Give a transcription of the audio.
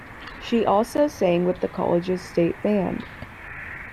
She also sang with the college's stage band.